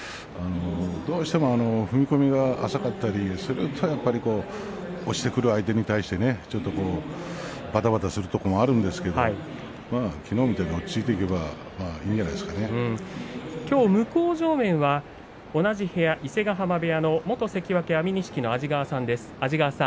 どうしても踏み込みは浅かったりするとやっぱり押してくる相手にはちょっとばたばたするところもあるんですけどきのうみたいに落ち着いていけば向正面は同じ部屋伊勢ヶ濱部屋の元関脇安美錦の安治川さんです。